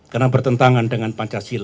karena bertentangan dengan pancasila